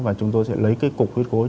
và chúng tôi sẽ lấy cái cục huyết gối